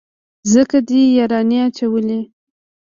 ځکه دې يارانې اچولي.